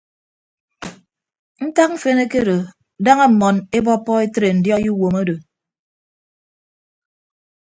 Ntak mfen ekedo daña mmọn ebọppọ etre ndiọi uwom odo.